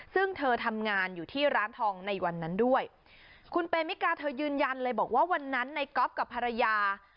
ซึ่งเธอทำงานอยู่ที่ร้านทองในวันนั้นด้วยคุณเปมิกาเธอยืนยันเลยบอกว่าวันนั้นในก๊อฟกับภรรยา